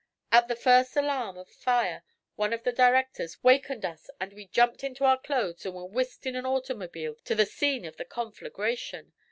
At the first alarm of fire one of the directors wakened us and we jumped into our clothes and were whisked in an automobile to the scene of the conflagration.